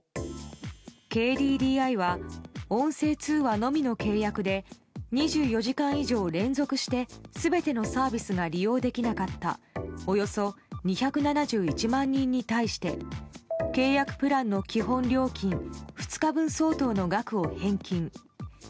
ＫＤＤＩは音声通話のみの契約で２４時間以上連続して全てのサービスが利用できなかったおよそ２７１万人に対して契約プランの基本料金２日分相当の額を返金。